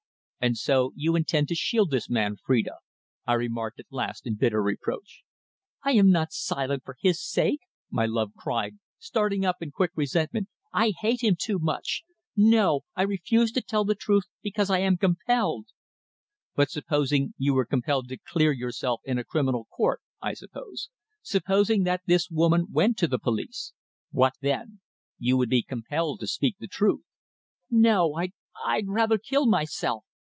"And so you intend to shield this man, Phrida," I remarked at last, in bitter reproach. "I am not silent for his sake!" my love cried, starting up in quick resentment. "I hate him too much. No, I refuse to reveal the truth because I am compelled." "But supposing you were compelled to clear yourself in a criminal court," I said. "Supposing that this woman went to the police! What then? You would be compelled to speak the truth." "No. I I'd rather kill myself!"